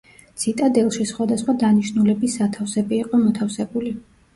ციტადელში სხვადასხვა დანიშნულების სათავსები იყო მოთავსებული.